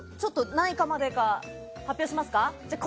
何位かまでか発表しますか。